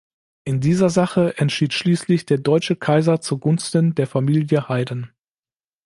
In dieser Sache entschied schließlich der deutsche Kaiser zugunsten der Familie Heyden.